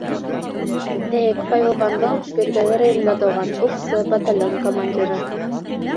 Әйтәйек, Павел Бандов Көйөргәҙе районында тыуған, уҡсы, батальон командиры.